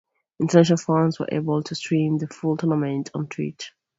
International fans were able to stream the full tournament on Twitch.